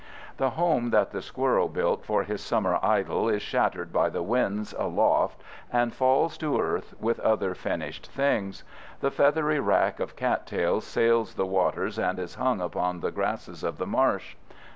The home that the squirrel built for his summer idyl is shattered by the winds aloft and falls to earth with other finished things. The feathery wrack of cat tails sails the waters and is hung upon the grasses of the marsh.